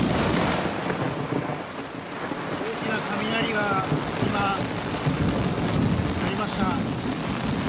大きな雷が今、鳴りました。